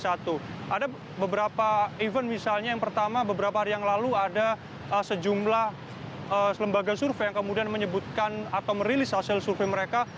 ada beberapa event misalnya yang pertama beberapa hari yang lalu ada sejumlah lembaga survei yang kemudian menyebutkan atau merilis hasil survei mereka